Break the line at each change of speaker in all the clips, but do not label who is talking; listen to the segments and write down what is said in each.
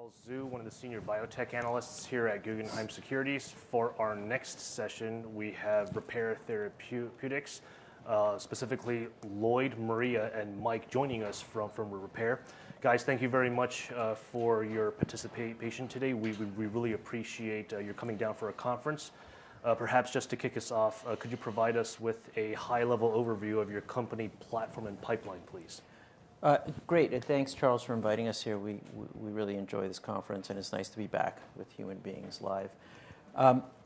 Charles Zhu, one of the senior biotech analysts here at Guggenheim Securities. For our next session, we have Repare Therapeutics, specifically Lloyd, Maria, and Mike joining us from Repare. Guys, thank you very much for your participation today. We really appreciate your coming down for our conference. Perhaps just to kick us off, could you provide us with a high-level overview of your company platform and pipeline, please?
Great, thanks, Charles, for inviting us here. We really enjoy this conference. It's nice to be back with human beings live.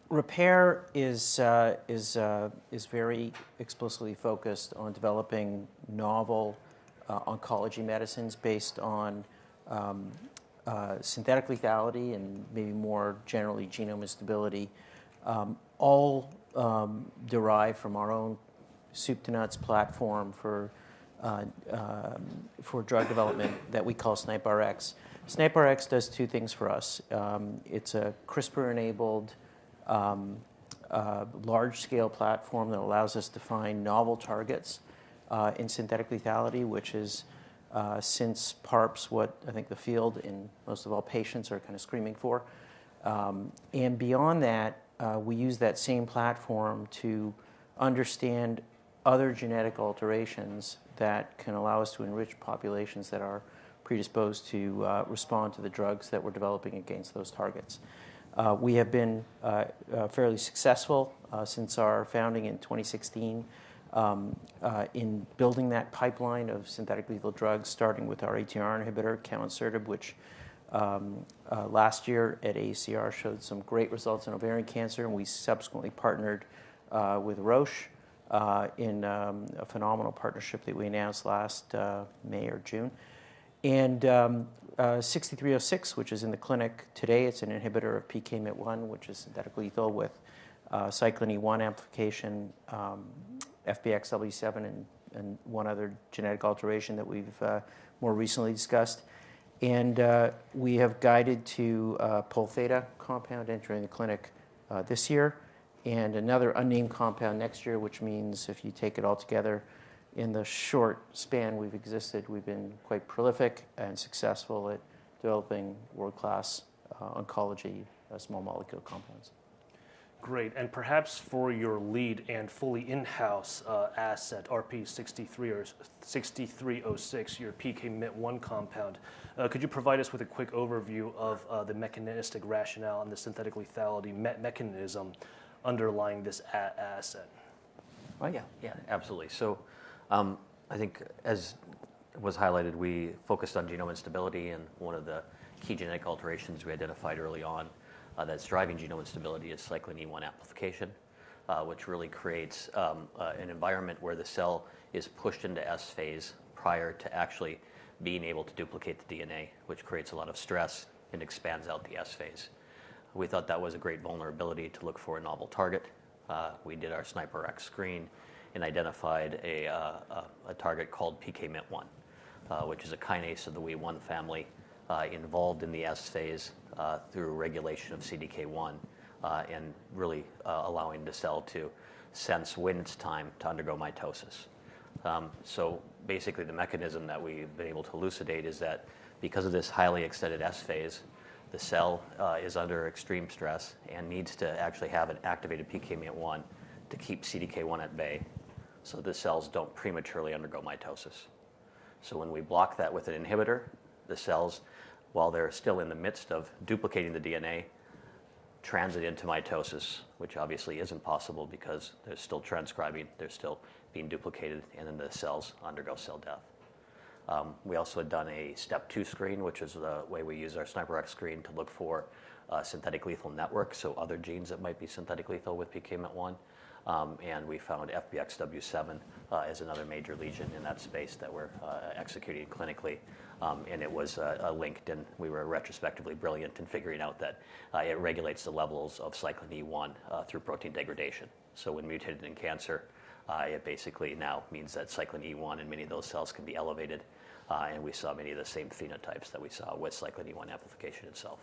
Repare is very explicitly focused on developing novel oncology medicines based on synthetic lethality and maybe more generally genomic instability, all derived from our own soup to nuts platform for drug development that we call SNIPRx. SNIPRx does two things for us. It's a CRISPR-enabled large-scale platform that allows us to find novel targets in synthetic lethality, which is since PARP, what I think the field and most of all patients are kinda screaming for. Beyond that, we use that same platform to understand other genetic alterations that can allow us to enrich populations that are predisposed to respond to the drugs that we're developing against those targets. We have been fairly successful since our founding in 2016 in building that pipeline of synthetic lethal drugs, starting with our ATR inhibitor, camonsertib, which last year at AACR showed some great results in ovarian cancer, and we subsequently partnered with Roche in a phenomenal partnership that we announced last May or June. RP-6306, which is in the clinic today, it's an inhibitor of PKMYT1, which is synthetically lethal with cyclin E1 amplification, FBXW7 and one other genetic alteration that we've more recently discussed. We have guided to a Pol θ compound entering the clinic this year and another unnamed compound next year, which means if you take it all together, in the short span we've existed, we've been quite prolific and successful at developing world-class oncology small molecule compounds.
Great. Perhaps for your lead and fully in-house, asset, RP-6306, your PKMYT1 compound, could you provide us with a quick overview of, the mechanistic rationale and the synthetic lethality mechanism underlying this asset?
Mike? Yeah. Absolutely. I think as was highlighted, we focused on genomic instability, and one of the key genetic alterations we identified early on that's driving genomic instability is cyclin E1 amplification, which really creates an environment where the cell is pushed into S phase prior to actually being able to duplicate the DNA, which creates a lot of stress and expands out the S phase. We thought that was a great vulnerability to look for a novel target. We did our SNIPRx screen and identified a target called PKMYT1, which is a kinase of the WEE1 family, involved in the S phase through regulation of CDK1, and really allowing the cell to sense when it's time to undergo mitosis. Basically, the mechanism that we've been able to elucidate is that because of this highly extended S phase, the cell is under extreme stress and needs to actually have an activated PKMYT1 to keep CDK1 at bay, so the cells don't prematurely undergo mitosis. When we block that with an inhibitor, the cells, while they're still in the midst of duplicating the DNA, transit into mitosis, which obviously is impossible because they're still transcribing, they're still being duplicated, and then the cells undergo cell death. We also had done a step 2 screen, which is the way we use our SNIPRx screen to look for synthetic lethal networks, so other genes that might be synthetic lethal with PKMYT1. We found FBXW7 as another major lesion in that space that we're executing clinically. It was linked, and we were retrospectively brilliant in figuring out that it regulates the levels of cyclin E1 through protein degradation. When mutated in cancer, it basically now means that cyclin E1 in many of those cells can be elevated, and we saw many of the same phenotypes that we saw with cyclin E1 amplification itself.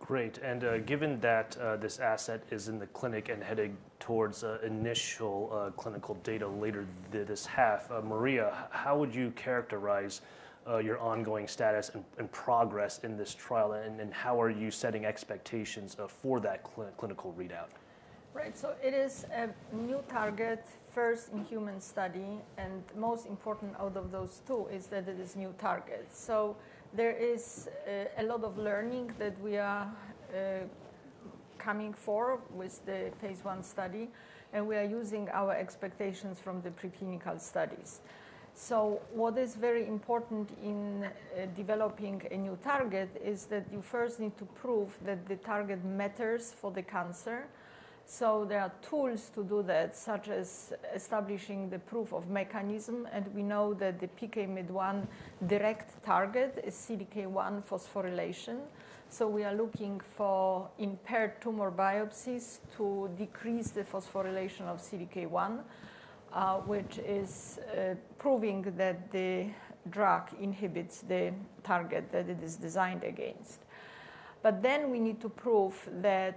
Great. Given that this asset is in the clinic and heading towards initial clinical data later this half, Maria, how would you characterize your ongoing status and progress in this trial, and then how are you setting expectations for that clinical readout?
Right. It is a new target, first in human study, and most important out of those two is that it is new target. There is a lot of learning that we are coming for with the phase one study, and we are using our expectations from the preclinical studies. What is very important in developing a new target is that you first need to prove that the target matters for the cancer. There are tools to do that, such as establishing the proof of mechanism, and we know that the PKMYT1 direct target is CDK1 phosphorylation. We are looking for impaired tumor biopsies to decrease the phosphorylation of CDK1, which is proving that the drug inhibits the target that it is designed against. We need to prove that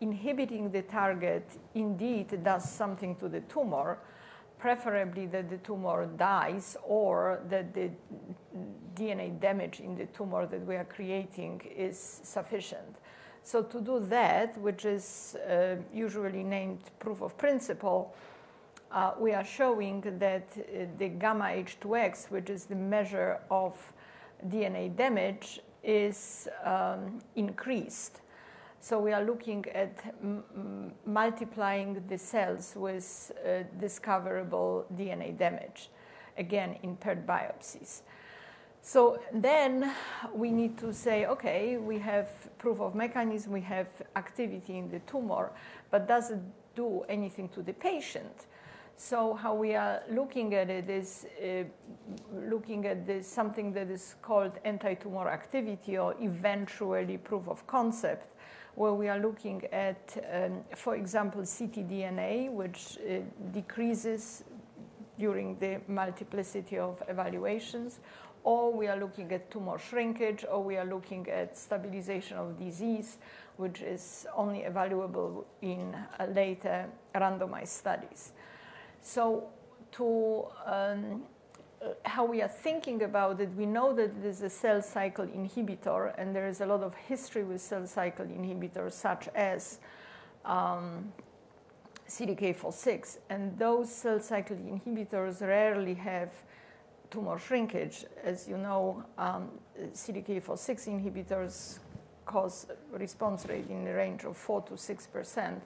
inhibiting the target indeed does something to the tumor, preferably that the tumor dies or that the DNA damage in the tumor that we are creating is sufficient. To do that, which is usually named proof of principle, we are showing that the γ-H2AX, which is the measure of DNA damage, is increased. We are looking at multiplying the cells with discoverable DNA damage, again in paired biopsies. We need to say, "Okay, we have proof of mechanism, we have activity in the tumor, but does it do anything to the patient?" How we are looking at it is looking at this something that is called anti-tumor activity or eventually proof of concept, where we are looking at, for example, ctDNA, which decreases during the multiplicity of evaluations, or we are looking at tumor shrinkage, or we are looking at stabilization of disease, which is only evaluable in later randomized studies. How we are thinking about it, we know that there's a cell cycle inhibitor, and there is a lot of history with cell cycle inhibitors such as, CDK4/6, and those cell cycle inhibitors rarely have tumor shrinkage. As you know, CDK4/6 inhibitors cause response rate in the range of 4%-6%,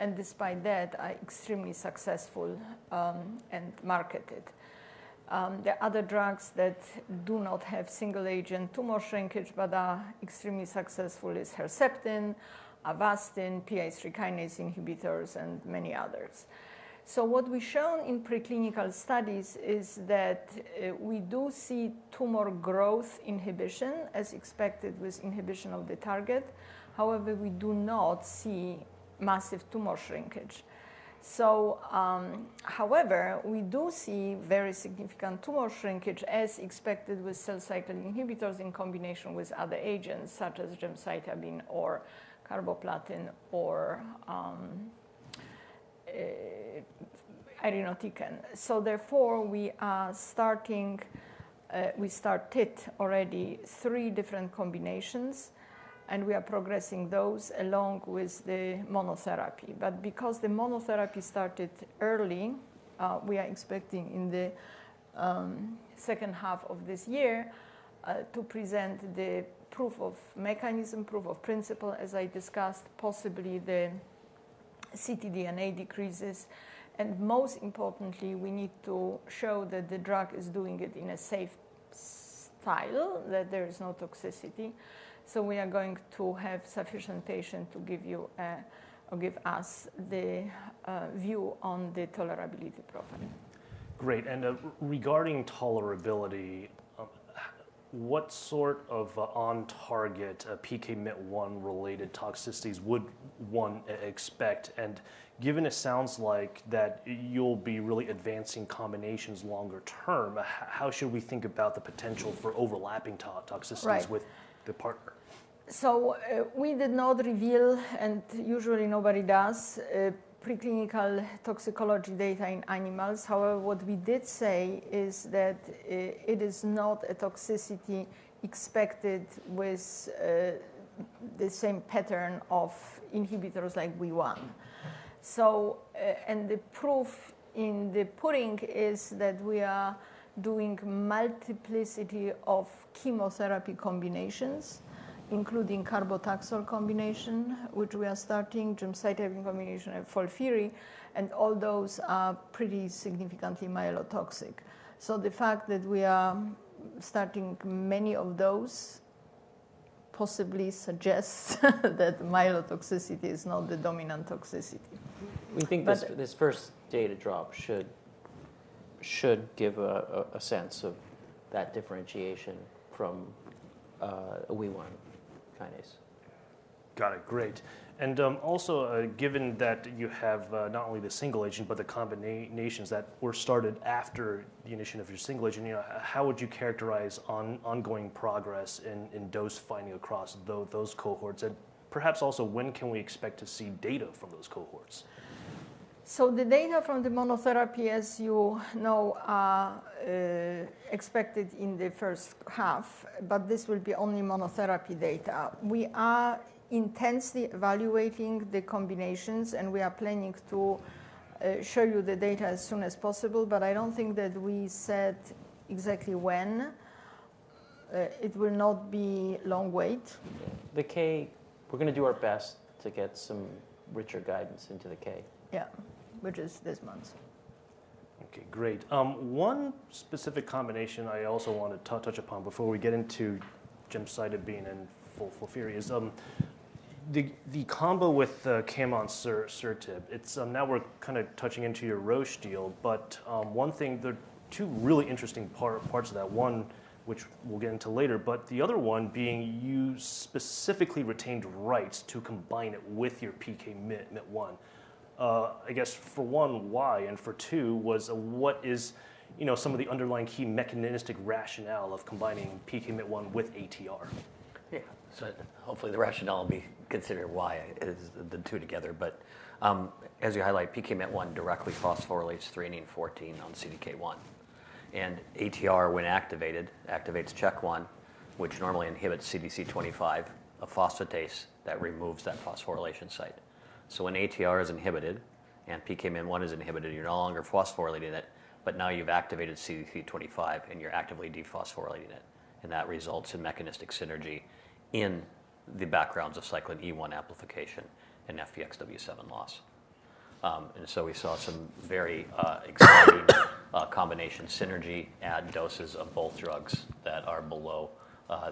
and despite that, are extremely successful and marketed. The other drugs that do not have single agent tumor shrinkage but are extremely successful is Herceptin, Avastin, PI3K inhibitors, and many others. What we've shown in preclinical studies is that we do see tumor growth inhibition, as expected with inhibition of the target. However, we do not see massive tumor shrinkage. However, we do see very significant tumor shrinkage as expected with cell cycle inhibitors in combination with other agents such as gemcitabine or carboplatin or irinotecan. Therefore, we started already three different combinations, and we are progressing those along with the monotherapy. Because the monotherapy started early, we are expecting in the second half of this year, to present the proof of mechanism, proof of principle, as I discussed, possibly the ctDNA decreases, and most importantly, we need to show that the drug is doing it in a safe style, that there is no toxicity. We are going to have sufficient patient to give you or give us the view on the tolerability profile.
Great. Regarding tolerability, what sort of on target PKMYT1-related toxicities would one expect? Given it sounds like that you'll be really advancing combinations longer term, how should we think about the potential for overlapping toxicities?
Right
...with the partner?
We did not reveal, and usually nobody does, preclinical toxicology data in animals. However, what we did say is that it is not a toxicity expected with the same pattern of inhibitors like WEE1. And the proof in the pudding is that we are doing multiplicity of chemotherapy combinations, including carboplatin combination, which we are starting, gemcitabine combination and FOLFIRI, and all those are pretty significantly myelotoxic. The fact that we are starting many of those possibly suggests that myelotoxicity is not the dominant toxicity.
Mm-hmm.
But- We think this first data drop should give a sense of that differentiation from WEE1 kinase.
Got it. Great. Also, given that you have, not only the single agent but the combinations that were started after the initiation of your single agent, you how would you characterize ongoing progress in dose finding across those cohorts? Perhaps also, when can we expect to see data from those cohorts?
The data from the monotherapy, as you know, are expected in the first half, but this will be only monotherapy data. We are intensely evaluating the combinations, and we are planning to show you the data as soon as possible, but I don't think that we said exactly when. It will not be long wait. The K, we're gonna do our best to get some richer guidance into the K. Yeah. Which is this month.
Okay, great. One specific combination I also wanna touch upon before we get into gemcitabine and FOLFIRI is the combo with camonsertib. It's now we're kinda touching into your Roche deal, but there are two really interesting parts to that. One, which we'll get into later, but the other one being you specifically retained rights to combine it with your PKMYT1. I guess for one, why? For two, what is some of the underlying key mechanistic rationale of combining PKMYT1 with ATR?
Yeah. Hopefully the rationale will be considered why is the two together. As you highlight, PKMYT1 directly phosphorylates threonine 14 on CDK1. ATR, when activated, activates CHEK1, which normally inhibits CDC25, a phosphatase that removes that phosphorylation site. When ATR is inhibited and PKMYT1 is inhibited, you're no longer phosphorylating it, but now you've activated CDC25 and you're actively dephosphorylating it. That results in mechanistic synergy in the backgrounds of cyclin E1 amplification and FBXW7 loss. We saw some very exciting combination synergy at doses of both drugs that are below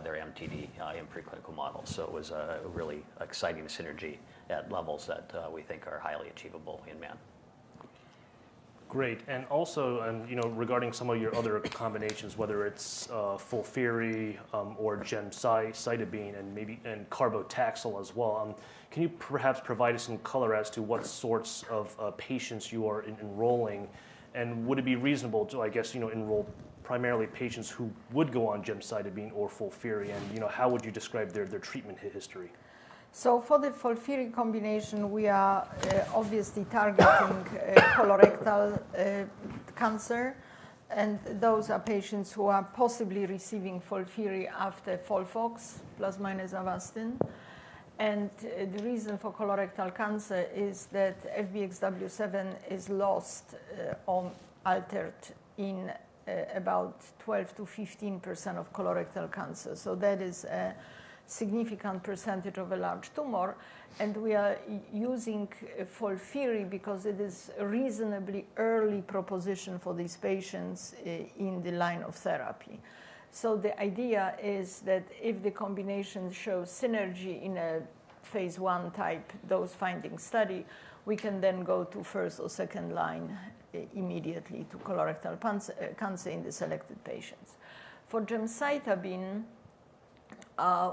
their MTD in preclinical models. It was a really exciting synergy at levels that we think are highly achievable in man.
Great. Also regarding some of your other combinations, whether it's FOLFIRI or gemcitabine and maybe and carbo-taxol as well. Can you perhaps provide us some color as to what sorts of patients you are enrolling? Would it be reasonable to, I guess, you know, enroll primarily patients who would go on gemcitabine or FOLFIRI? You know, how would you describe their treatment history?
For the FOLFIRI combination, we are obviously targeting colorectal cancer. Those are patients who are possibly receiving FOLFIRI after FOLFOX plus minus Avastin. The reason for colorectal cancer is that FBXW7 is lost or altered in about 12%-15% of colorectal cancer. That is a significant percentage of a large tumor. We are using FOLFIRI because it is a reasonably early proposition for these patients in the line of therapy. The idea is that if the combination shows synergy in a phase 1 type dose finding study, we can then go to first or second line immediately to colorectal cancer in the selected patients. For gemcitabine,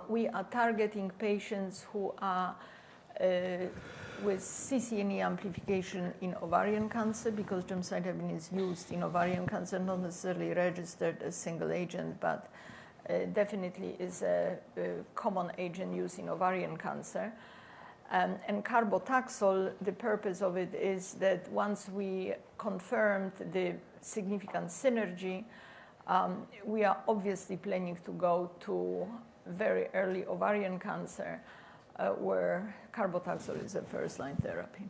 we are targeting patients who are with CCNE amplification in ovarian cancer because gemcitabine is used in ovarian cancer, not necessarily registered as single agent, but definitely is a common agent used in ovarian cancer. carbo-taxol, the purpose of it is that once we confirmed the significant synergy, we are obviously planning to go to very early ovarian cancer where carbo-taxol is a first line therapy.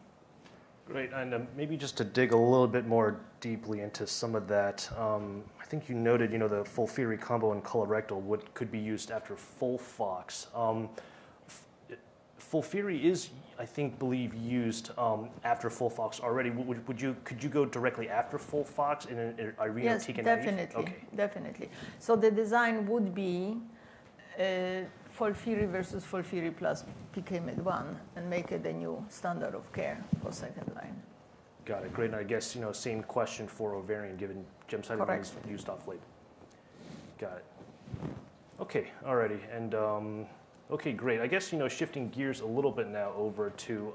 Great. Maybe just to dig a little bit more deeply into some of that. I think you noted, you know, the FOLFIRI combo in colorectal could be used after FOLFOX. FOLFIRI is, I think, believe used after FOLFOX already. Could you go directly after FOLFOX in a re-intake analysis?
Yes, definitely. Definitely. The design would be FOLFIRI versus FOLFIRI plus PKMYT1 and make it a new standard of care for second line.
Got it. Great. I guess same question for ovarian given gemcitabine is used off label.
Correct.
Got it. Okay. All righty. Okay, great. I guess, you know, shifting gears a little bit now over to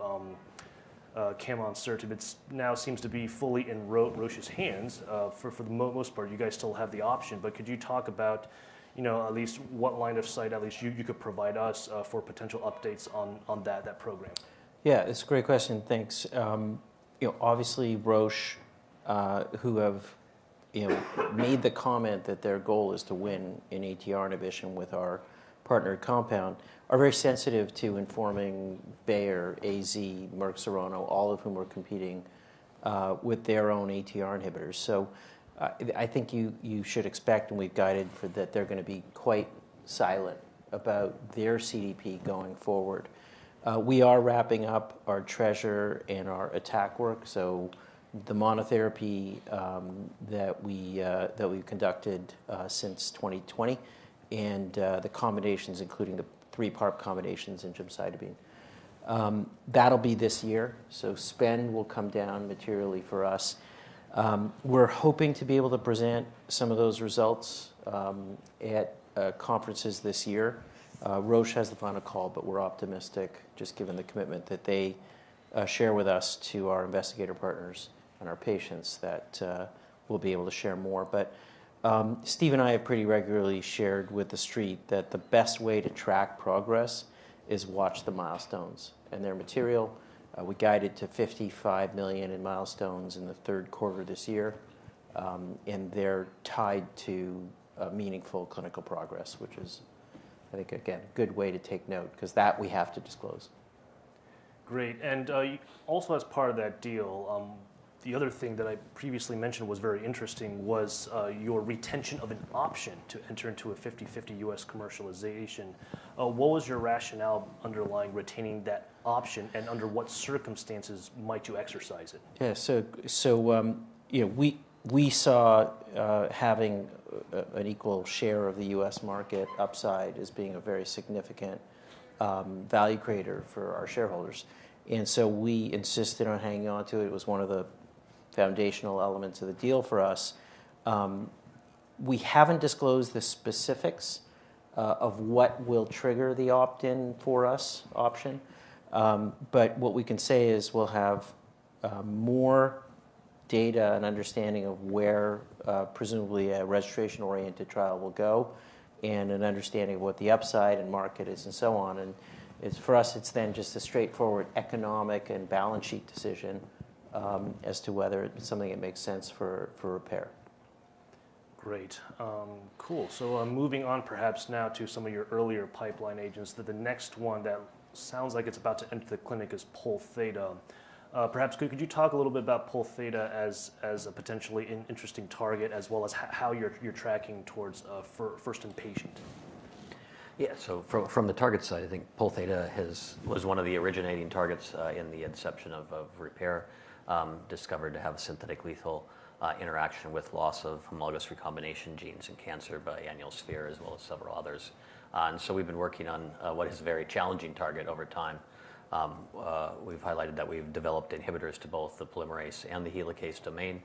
camonsertib. It now seems to be fully in Roche's hands. For the most part, you guys still have the option. Could you talk about, you know, at least what line of sight at least you could provide us for potential updates on that program?
Yeah, it's a great question. Thanks. You know, obviously, Roche, who have, you know, made the comment that their goal is to win in ATR inhibition with our partnered compound, are very sensitive to informing Bayer, AZ, Merck Serono, all of whom are competing with their own ATR inhibitors. I think you should expect, and we've guided for that, they're going to be quite silent about their CDP going forward. We are wrapping up our TRESR and our ATTACC work. The monotherapy that we've conducted since 2020 and the combinations, including the three-part combinations in gemcitabine, that'll be this year. Spend will come down materially for us. We're hoping to be able to present some of those results at conferences this year. Roche has the final call, but we're optimistic, just given the commitment that they share with us to our investigator partners and our patients, that we'll be able to share more. Steve and I have pretty regularly shared with the street that the best way to track progress is watch the milestones and their material. We guided to $55 million in milestones in the third quarter this year, and they're tied to meaningful clinical progress, which is, I think, again, a good way to take note because that we have to disclose.
Great. Also as part of that deal, the other thing that I previously mentioned was very interesting was your retention of an option to enter into a 50-50 U.S. commercialization. What was your rationale underlying retaining that option, and under what circumstances might you exercise it?
Yeah. You know, we saw having an equal share of the U.S. market upside as being a very significant value creator for our shareholders. We insisted on hanging on to it. It was one of the foundational elements of the deal for us. We haven't disclosed the specifics of what will trigger the opt-in for us option. What we can say is we'll have more data and understanding of where presumably a registration-oriented trial will go and an understanding of what the upside and market is and so on. For us, it's then just a straightforward economic and balance sheet decision as to whether it's something that makes sense for Repare.
Great. Cool. Moving on perhaps now to some of your earlier pipeline agents, the next one that sounds like it's about to enter the clinic is Pol θ. Perhaps could you talk a little bit about Pol θ as a potentially interesting target as well as how you're tracking towards for first in patient?
From the target side, I think Pol θ was one of the originating targets in the inception of Repare, discovered to have a synthetic lethal interaction with loss of homologous recombination genes in cancer by Alan Ashworth as well as several others. We've been working on what is a very challenging target over time. We've highlighted that we've developed inhibitors to both the polymerase and the helicase domain.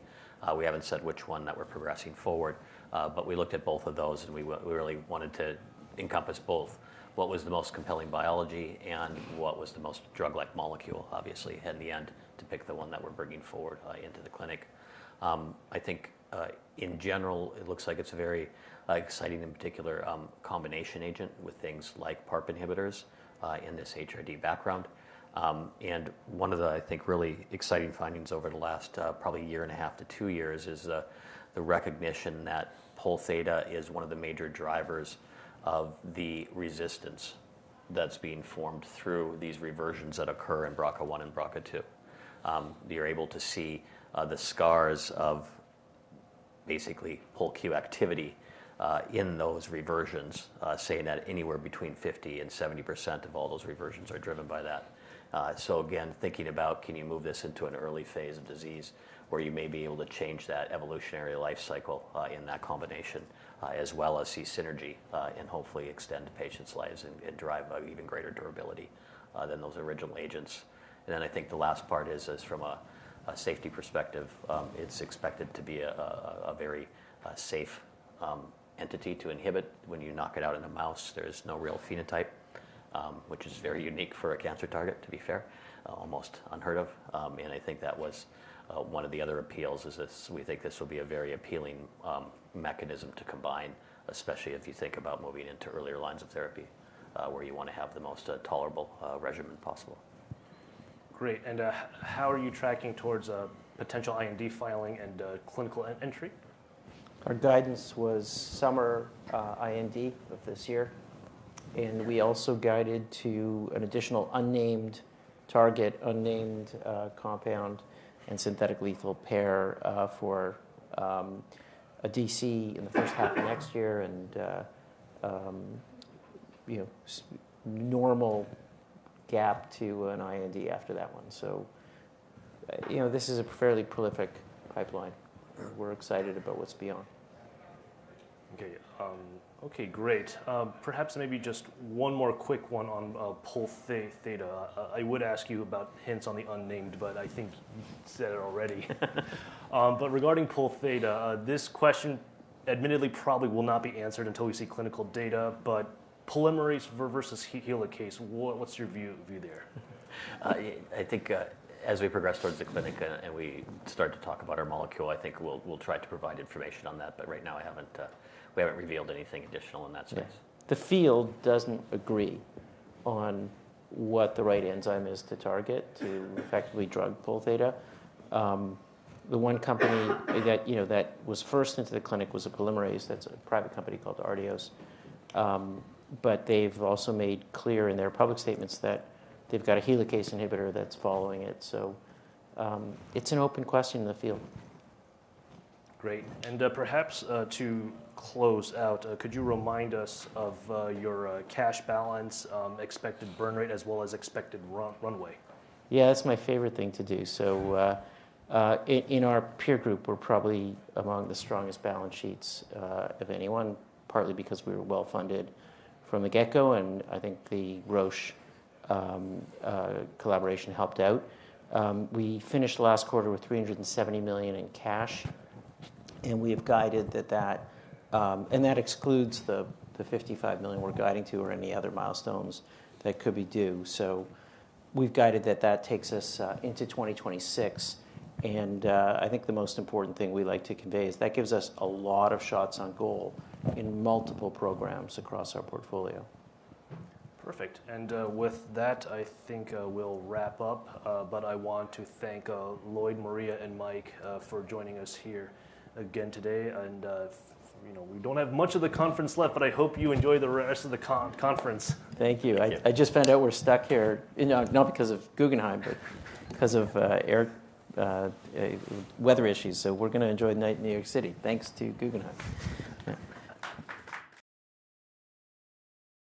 We haven't said which one that we're progressing forward, but we looked at both of those, and we really wanted to encompass both what was the most compelling biology and what was the most drug-like molecule, obviously, in the end, to pick the one that we're bringing forward into the clinic. I think, in general, it looks like it's a very exciting and particular combination agent with things like PARP inhibitors in this HRD background. One of the, I think, really exciting findings over the last probably 1.5 years-2 years is the recognition that Pol θ is one of the major drivers of the resistance that's being formed through these reversions that occur in BRCA1 and BRCA2. You're able to see the scars of basically Pol θ activity in those reversions, saying that anywhere between 50%-70% of all those reversions are driven by that. Again, thinking about can you move this into an early phase of disease where you may be able to change that evolutionary life cycle in that combination, as well as see synergy, and hopefully extend patients' lives and drive a even greater durability than those original agents. I think the last part is from a safety perspective, it's expected to be a very safe entity to inhibit. When you knock it out in a mouse, there's no real phenotype, which is very unique for a cancer target, to be fair, almost unheard of. I think that was one of the other appeals is we think this will be a very appealing mechanism to combine, especially if you think about moving into earlier lines of therapy, where you wanna have the most tolerable regimen possible.
Great. How are you tracking towards a potential IND filing and clinical entry?
Our guidance was summer IND of this year. We also guided to an additional unnamed target, unnamed compound and synthetic lethal pair for a DC in the first half of next year and, normal gap to an IND after that one. This is a fairly prolific pipeline. We're excited about what's beyond.
Okay. Okay, great. Perhaps maybe just one more quick one on Pol θ. I would ask you about hints on the unnamed, but I think you said it already. Regarding Pol θ, this question admittedly probably will not be answered until we see clinical data, but polymerase versus helicase, what's your view there?
I think, as we progress towards the clinic and we start to talk about our molecule, I think we'll try to provide information on that. Right now, we haven't revealed anything additional in that sense.
Yeah.
The field doesn't agree on what the right enzyme is to target to effectively drug Pol θ. The one company that that was first into the clinic was a polymerase that's a private company called Artios. They've also made clear in their public statements that they've got a helicase inhibitor that's following it. It's an open question in the field.
Great. Perhaps, to close out, could you remind us of your cash balance, expected burn rate, as well as expected runway?
Yeah. It's my favorite thing to do. In our peer group, we're probably among the strongest balance sheets of anyone, partly because we were well-funded from the get-go, and I think the Roche collaboration helped out. We finished last quarter with $370 million in cash, and we have guided that, and that excludes the $55 million we're guiding to or any other milestones that could be due. We've guided that takes us into 2026. I think the most important thing we like to convey is that gives us a lot of shots on goal in multiple programs across our portfolio.
Perfect. With that, I think we'll wrap up. But I want to thank Lloyd, Maria, and Mike, for joining us here again today. We don't have much of the conference left, but I hope you enjoy the rest of the conference.
Thank you.
Thank you.
I just found out we're stuck here, not because of Guggenheim, but because of air weather issues. We're gonna enjoy the night in New York City. Thanks to Guggenheim.